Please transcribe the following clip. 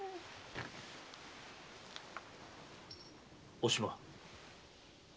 お島。